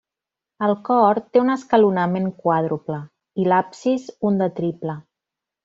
El cor té un escalonament quàdruple, i l'absis un de triple.